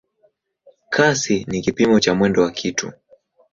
Kasi ni kipimo cha mwendo wa kitu.